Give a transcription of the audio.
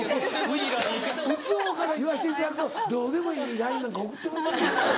打つ方から言わしていただくとどうでもいいＬＩＮＥなんか送ってませんよ。